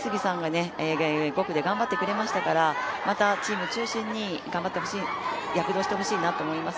５区で頑張ってくれましたからまたチーム中心に頑張ってほしい、躍動してほしいなと思います。